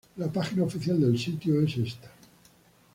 La página oficial del sitio es esta.